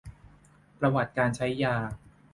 ประวัติการใช้ยา